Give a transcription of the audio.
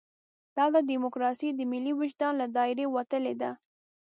دلته ډیموکراسي د ملي وجدان له دایرې وتلې ده.